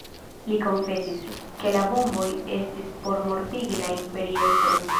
Li konfesis, ke la bomboj estis por mortigi la imperiestron.